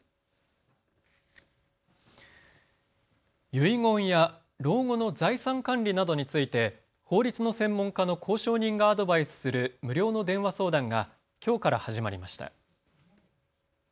遺言や老後の財産管理などについて法律の専門家の公証人がアドバイスする無料の電話相談がきょうから始まりました。